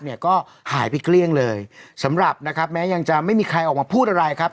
เนี่ยก็หายไปเกลี้ยงเลยสำหรับนะครับแม้ยังจะไม่มีใครออกมาพูดอะไรครับ